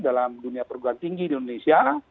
dalam dunia perguruan tinggi di indonesia